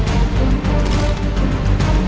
อีก๖โมงป่าแล้วครับ